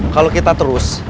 kalau kita terus